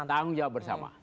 tanggung jawab bersama